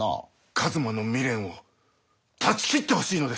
一馬の未練を断ち切ってほしいのです！